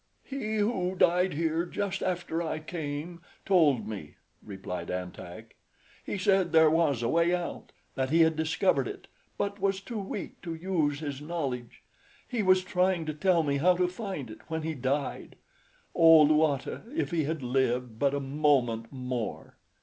"He who died here just after I came, told me," replied An Tak. "He said there was a way out, that he had discovered it but was too weak to use his knowledge. He was trying to tell me how to find it when he died. Oh, Luata, if he had lived but a moment more!"